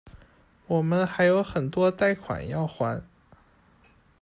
我们还有很多贷款要还